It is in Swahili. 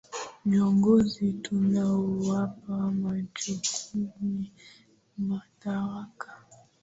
viongozi tunaowapa majukumu madaraka